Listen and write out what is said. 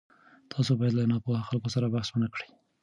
تاسو باید له ناپوهه خلکو سره بحث ونه کړئ.